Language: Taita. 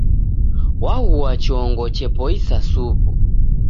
Waghua chongo chepoisa supu.